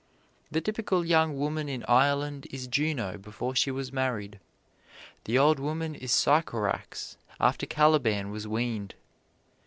The typical young woman in Ireland is Juno before she was married; the old woman is Sycorax after Caliban was weaned.